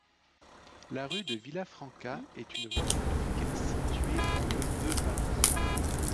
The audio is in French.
La rue de Villafranca est une voie publique située dans le de Paris.